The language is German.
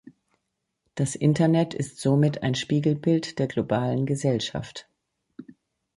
Das Internet ist somit ein Spiegelbild der globalen Gesellschaft.